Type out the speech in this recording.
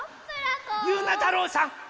ゆうなたろうさん！